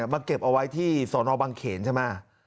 เก็บเอาไว้ที่สอนอบังเขนใช่ไหม